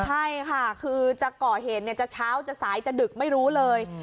ใช่ค่ะคือจะเกาะเห็นเนี่ยจะเช้าจะสายจะดึกไม่รู้เลย